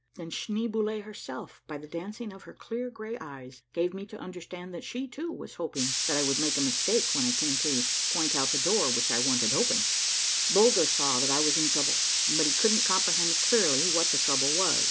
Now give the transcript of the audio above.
And Schneeboule herself by the dancing of her clear gray eyes gave me to understand that she, too, was hoping that I would make a mistake when I came to point out the door which I wanted opened. Bulger saw that I was in trouble, but couldn't comprehend clearly what that trouble was.